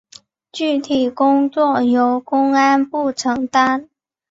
具体工作由公安部承担。